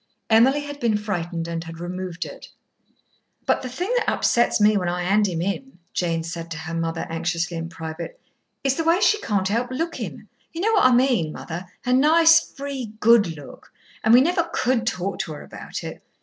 Emily had been frightened and had removed it. "But the thing that upsets me when I hand him in," Jane said to her mother anxiously in private, "is the way she can't help looking. You know what I mean, mother, her nice, free, good look. And we never could talk to her about it.